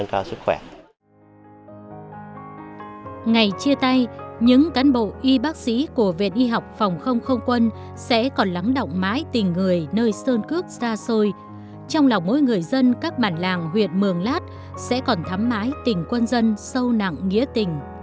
chủ cán bộ y bác sĩ viện y học phòng không không quân đã vượt núi băng ngàn ngược dòng sông mường lát